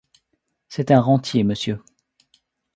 C’est un rentier, monsieur.